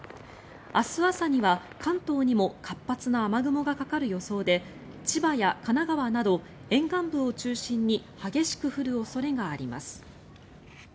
明日朝には関東にも活発な雨雲がかかる予想で千葉や神奈川など沿岸部を中心に激しく降る恐れがあります。